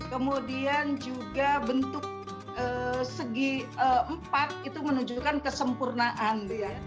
kemudian juga bentuk segi empat itu menunjukkan kesempurnaan